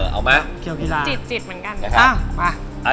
เอามา